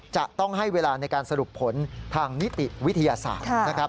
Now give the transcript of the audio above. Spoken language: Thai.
จะต้องให้เวลาในการสรุปผลทางนิติวิทยาศาสตร์นะครับ